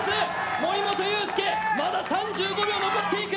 森本裕介、まだ３５秒残っている。